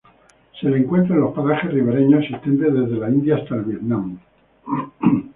Se le encuentra en los parajes ribereños existentes desde la India hasta Vietnam.